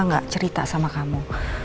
nggak cerita sama kamu